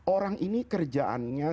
orang ini kerjaannya